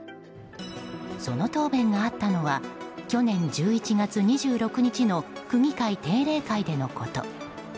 その答弁があったのは去年１１月２６日の区議会定例会でのこと。